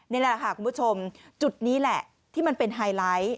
นี่แหละค่ะคุณผู้ชมจุดนี้แหละที่มันเป็นไฮไลท์